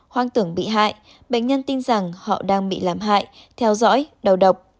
hoang tưởng bị hại bệnh nhân tin rằng họ đang bị làm hại theo dõi đầu độc